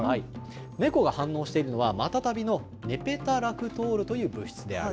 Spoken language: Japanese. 猫が反応するのは、マタタビのネペタラクトールという物質である。